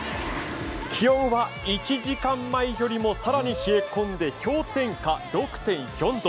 気温は１時間前よりも更に冷え込んで氷点下６．４度。